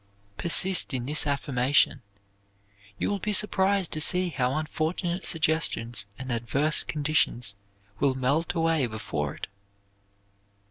Persist in this affirmation. You will be surprised to see how unfortunate suggestions and adverse conditions will melt away before it.